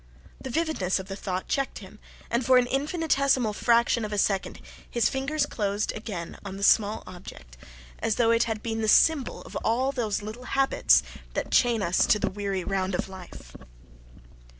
The vividness of the thought checked him and for an infinitesimal fraction of a second his fingers closed again on the small object as though it had been the symbol of all these little habits that chain us to the weary round of life.